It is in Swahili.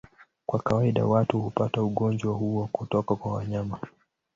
Kwa kawaida watu hupata ugonjwa huo kutoka kwa wanyama.